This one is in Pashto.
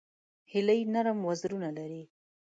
هیلۍ نرم وزرونه لري